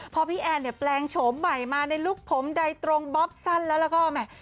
พอพี่แอนเนี่ยแปลงโฉมใหม่มาในลุคผมใดตรงบ๊อบสั้นแล้วแล้วก็แหม่